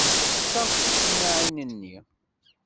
Tessaɣ ticemmaɛin-nni.